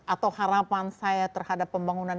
atau harapan saya terhadap pembangunan